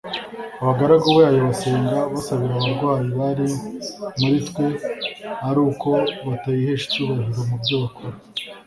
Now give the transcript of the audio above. abagaragu bayo basenga basabira abarwayi bari muri twe ari uko batayihesha icyubahiro mu byo bakora